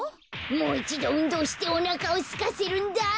もういちどうんどうしておなかをすかせるんだ。